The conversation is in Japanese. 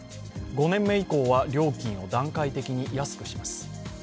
５年目以降は料金を段階的に安くします。